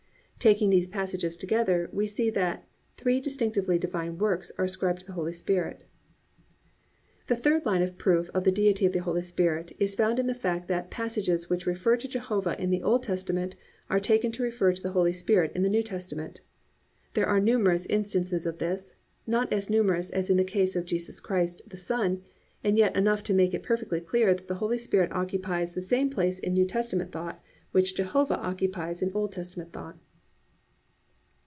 Taking these passages together, we see that three distinctively divine works are ascribed to the Holy Spirit. 3. The third line of proof of the Deity of the Holy Spirit is found in the fact that passages which refer to Jehovah in the Old Testament are taken to refer to the Holy Spirit in the New Testament. There are numerous instances of this, not as numerous as in the case of Jesus Christ, the Son, and yet enough to make it perfectly clear that the Holy Spirit occupies the same place in New Testament thought which Jehovah occupies in Old Testament thought.